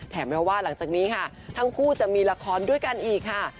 แม้ว่าหลังจากนี้ค่ะทั้งคู่จะมีละครด้วยกันอีกค่ะ